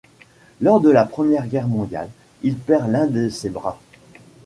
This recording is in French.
Lors de la Première Guerre mondiale, il perd l'un de ses bras.